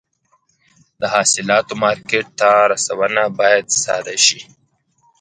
د حاصلاتو مارکېټ ته رسونه باید ساده شي.